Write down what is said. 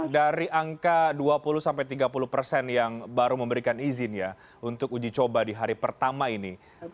dari angka dua puluh sampai tiga puluh persen yang baru memberikan izin ya untuk uji coba di hari pertama ini